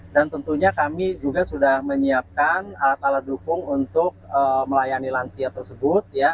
tentunya kami juga sudah menyiapkan alat alat dukung untuk melayani lansia tersebut